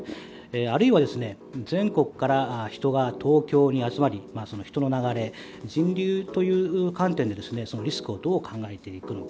あるいは全国から人が東京に集まる人の流れ、人流という観点でリスクをどう考えていくのか。